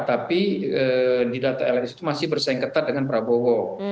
tapi di data lsi itu masih bersaing ketat dengan prabowo